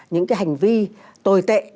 những cái hành vi tồi tệ